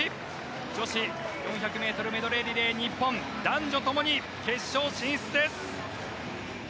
女子４００ｍメドレーリレー男女ともに決勝進出です。